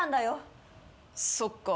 そっか。